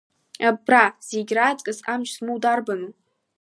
Абра зегь раҵкыс амч змоу дарбану?